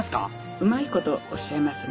うまいことおっしゃいますね。